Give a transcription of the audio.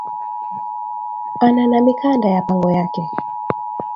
Ana na mikanda ya pango yake